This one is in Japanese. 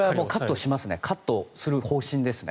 カットする方向ですね。